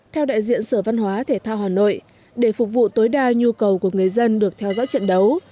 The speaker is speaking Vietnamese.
theo đại diện sở văn hóa thể thao hà nội để phục vụ tối đa nhu cầu của người dân được theo dõi trận đấu